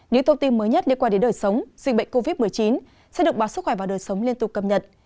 những thông tin mới nhất liên quan đến đời sống dịch bệnh covid một mươi chín sẽ được báo sức khỏe và đời sống liên tục cập nhật